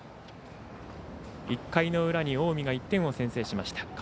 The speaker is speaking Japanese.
１回の裏に近江が１点を先制しました。